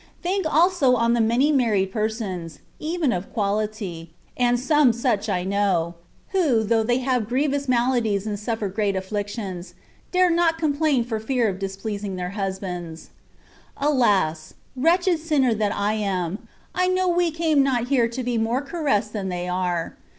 Think also on the many married persons — even of quaUty (and some such I know) — who, though they have grievous maladies and suflfer great afflictions, dare not complain for fear of displeasing their htisbands. Alas ! wretched sinner that I am, I know we came not here to be more caressed than they are.